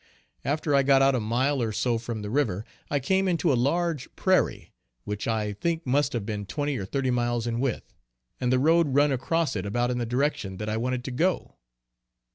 After I got out a mile or so from the river, I came into a large prairie, which I think must have been twenty or thirty miles in width, and the road run across it about in the direction that I wanted to go.